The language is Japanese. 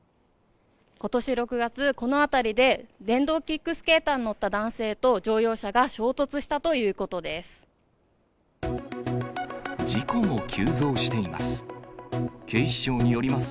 ことし６月、この辺りで電動キックスケーターに乗った男性と乗用車が衝突した事故も急増しています。